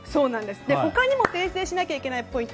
ほかにも訂正しなきゃいけないポイント